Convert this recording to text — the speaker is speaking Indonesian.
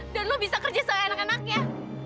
dan lo bisa kerja sama anak anaknya